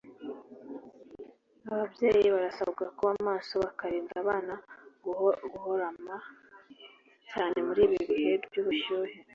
Ababyeyi barasabwa kuba maso bakarinda abana kurohama cyane muri ibi bihe by’ubushyuhe